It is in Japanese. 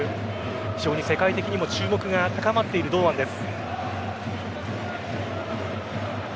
非常に世界的にも注目が高まっている堂安です。